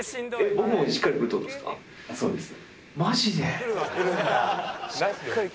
そうです。